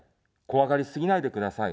怖がりすぎないでください。